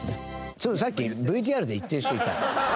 それさっきＶＴＲで言ってる人いた。